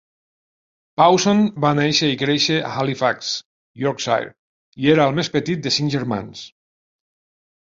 Pawson va néixer i créixer a Halifax, Yorkshire, i era el més petit de cinc germans.